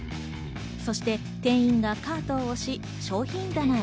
そして店員がカートを押し、商品棚へ。